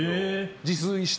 自炊して？